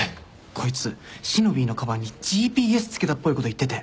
こいつしのびぃのかばんにＧＰＳ付けたっぽいこと言ってて。